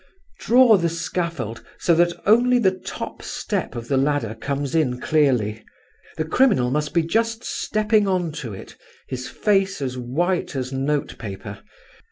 "Draw the scaffold so that only the top step of the ladder comes in clearly. The criminal must be just stepping on to it, his face as white as note paper.